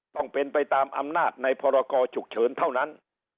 ต้องเป็นไปตามอำนาจในพรกรฉุกเฉินเท่านั้น